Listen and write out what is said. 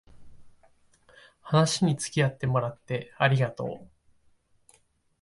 話につきあってもらってありがとう